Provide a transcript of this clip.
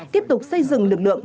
tiếp tục xây dựng lực lượng